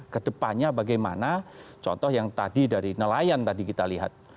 kedepannya bagaimana contoh yang tadi dari nelayan tadi kita lihat